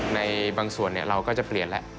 ในบางส่วนเราก็จะเปลี่ยนแล้ว